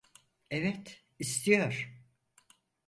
Evet, istiyor.